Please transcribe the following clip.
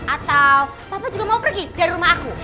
atau bapak juga mau pergi dari rumah aku